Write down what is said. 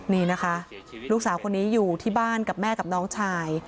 นี่นะคะลูกสาวคนนี้อยู่ที่บ้านกับแม่กับน้องชาย